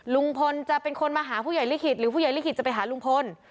ลุงพลจะเป็นคนมาหาผู้ใหญ่ลิขิตหรือผู้ใหญ่ลิขิตจะไปหาลุงพล